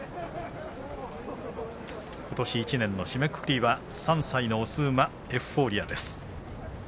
ことし１年の締めくくりは３歳のエフフォーリアです。